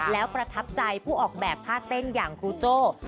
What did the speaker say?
แล้วประทับใจผู้ออกแบบท่าเต้นอย่างครูโจ้